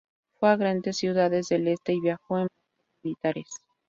Fue a grandes ciudades del este y viajó en barcos militares.